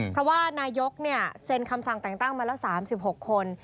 เพราะว่านายกเซ็นคำสั่งแต่งตั้งมาแล้ว๓๖คน